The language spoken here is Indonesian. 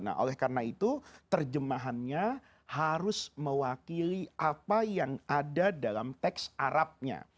nah oleh karena itu terjemahannya harus mewakili apa yang ada dalam teks arabnya